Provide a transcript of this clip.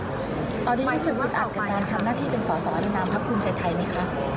ตอนนี้รู้สึกอุดอัดกับการทำหน้าที่เป็นศสวัสดินาภักษ์ภูมิใจไทยไหมคะ